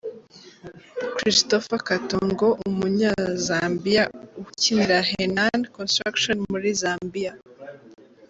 Christopher Katongo – umunyazambiya ukinira Henan Construction muri Zambiya.